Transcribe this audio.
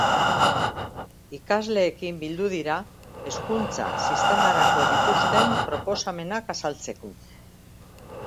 Ikasleekin bildu dira hezkuntza sistemarako dituzten proposamenak azaltzeko.